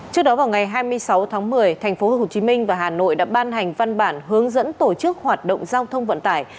trước đó vào ngày hai mươi sáu tháng một mươi tp hcm và hà nội đã ban hành văn bản hướng dẫn tổ chức hoạt động giao thông vận tải